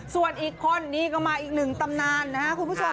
ส่วนอีกคนนี้ก็มาอีกหนึ่งตำนานนะครับคุณผู้ชม